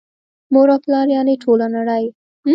مور او پلار یعني ټوله نړۍ